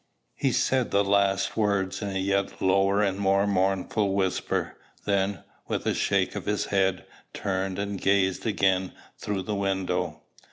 He said the last words in a yet lower and more mournful whisper; then, with a shake of his head, turned and gazed again through the window.